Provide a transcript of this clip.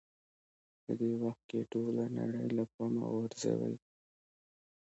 په دې وخت کې ټوله نړۍ له پامه غورځوئ.